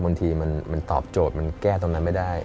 บางทีมันตอบโจทย์มันแก้ตรงนั้นไม่ได้